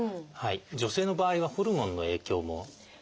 女性の場合はホルモンの影響もあります。